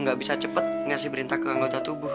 nggak bisa cepat ngasih perintah ke anggota tubuh